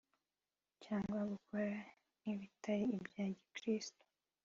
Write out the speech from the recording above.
cyangwa gukora nk’ibitari ibya Gikiristo